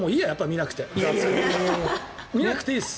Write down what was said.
見なくていいです。